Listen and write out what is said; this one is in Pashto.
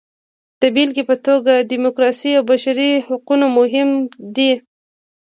د بېلګې په توګه ډیموکراسي او بشري حقونه مهم دي.